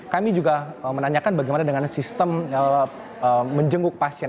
kami juga menanyakan bagaimana dengan sistem menjenguk pasien